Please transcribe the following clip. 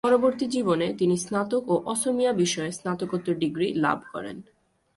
পরবর্তী জীবনে তিনি স্নাতক ও অসমীয়া বিষয়ে স্নাতকোত্তর ডিগ্রী লাভ করেন।